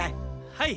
はい。